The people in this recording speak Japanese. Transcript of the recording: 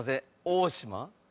大島？